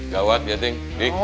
gawat ya ding